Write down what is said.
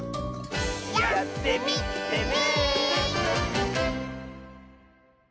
やってみてね！